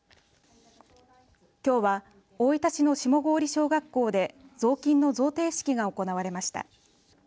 きょうは大分市の下郡小学校でぞうきんの贈呈式が行われました。